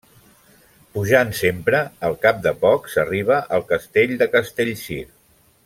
Pujant sempre, al cap de poc s'arriba al Castell de Castellcir.